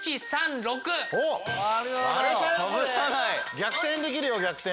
逆転できるよ逆転！